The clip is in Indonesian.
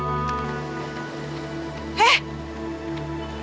masa udah siap